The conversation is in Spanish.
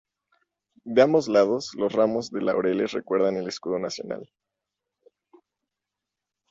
De ambos lados, los ramos de laureles recuerdan el escudo nacional.